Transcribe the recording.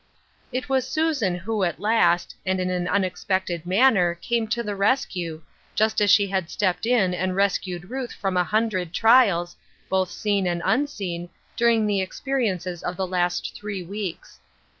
It was Susan who at last, and in an unex pected manner, came to the rescue, just as she had stepped in and rescued Ruth from a hun dred trials, both seen and unseen, during the experiences of the last three weeks.